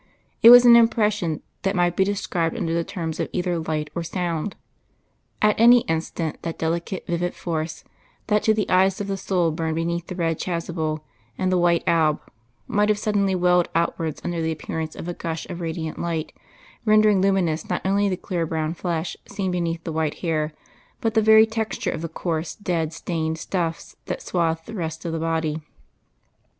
It was an impression that might be described under the terms of either light or sound; at any instant that delicate vivid force, that to the eyes of the soul burned beneath the red chasuble and the white alb, might have suddenly welled outwards under the appearance of a gush of radiant light rendering luminous not only the clear brown flesh seen beneath the white hair, but the very texture of the coarse, dead, stained stuffs that swathed the rest of the body.